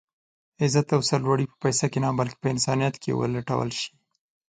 عزت او سر لوړي په پيسه کې نه بلکې په انسانيت کې ولټول شي.